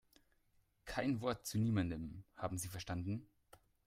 Kein Wort zu niemandem, haben Sie verstanden?